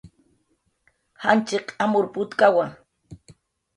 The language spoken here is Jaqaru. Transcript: Janchiq amur putkawa